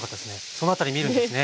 その辺り見るんですね。